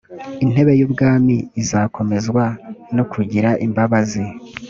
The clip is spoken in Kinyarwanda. intebe y ubwami izakomezwa no kugira imbabazi